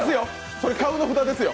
それ「買う」の札ですよ。